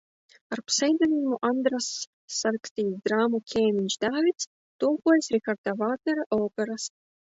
"Ar pseidonīmu Andrass sarakstījis drāmu "Ķēniņš Dāvids", tulkojis Riharda Vāgnera operas."